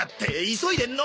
急いでんの！